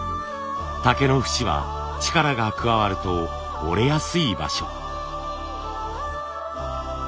竹の節は力が加わると折れやすい場所。